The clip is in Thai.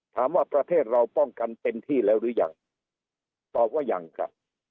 ประเทศเราป้องกันเต็มที่แล้วหรือยังตอบว่ายังครับ